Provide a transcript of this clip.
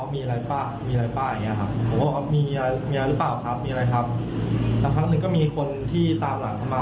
มีน้องทำไมเขาทำไม